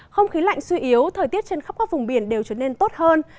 không khí lạnh suy yếu thời tiết trên khắp các vùng biển đều trở nên tốt hơn